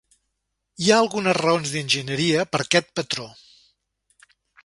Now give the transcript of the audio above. Hi ha algunes raons d'enginyeria per a aquest patró.